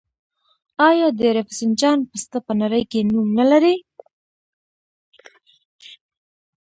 آیا د رفسنجان پسته په نړۍ کې نوم نلري؟